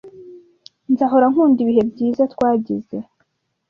Nzahora nkunda ibihe byiza twagize.